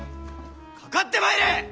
かかってまいれ！